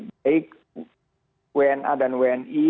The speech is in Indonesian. baik wna dan wni